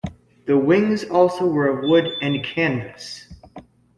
The wings also were of wood and canvas.